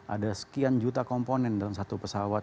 ada sekian juta komponen dalam satu pesawat